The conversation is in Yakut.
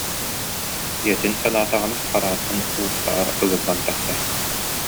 Ийэтин санаатаҕына хараҕыттан уу-хаар ыгыллан тахсар